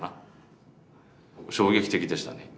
衝撃的でしたね。